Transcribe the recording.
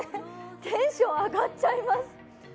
テンション上がっちゃいます。